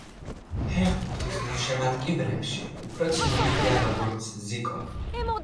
ფეხბურთის გულშემატკივრებში უფრო ცნობილია როგორც ზიკო.